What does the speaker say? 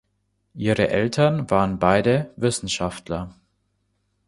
Ihre Eltern waren beide Wissenschaftler.